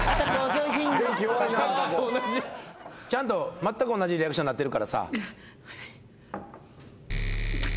まったく同じリアクションになってるからさ。